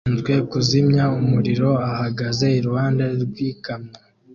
Ushinzwe kuzimya umuriro ahagaze iruhande rw'ikamyo